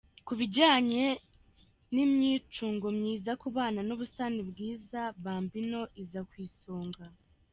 Ku bijyanye n’imyicungo myiza ku bana n’ubusitani bwiza, Bambino iza ku isonga.